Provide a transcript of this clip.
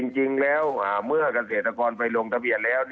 จริงแล้วเมื่อเกษตรกรไปลงทะเบียนแล้ว